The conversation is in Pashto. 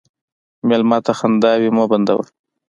مېلمه ته خنداوې مه بندوه.